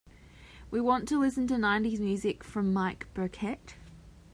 We want to listen to nineties music from mike burkett.